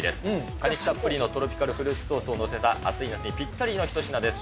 果肉たっぷりのトロピカルフルーツソースを載せた、暑い夏にぴったりの一品です。